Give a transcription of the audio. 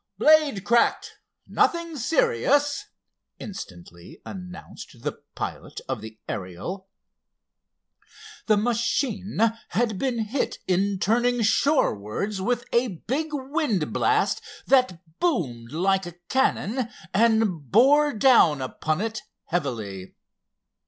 "Blade cracked, nothing serious," instantly announced the pilot of the Ariel. The machine had been hit in turning shorewards with a big wind blast that boomed like a cannon, and bore down upon it heavily.